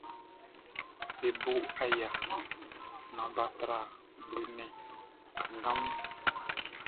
Be bo aya naan bʼa tra blo nnɛn kanngan mun.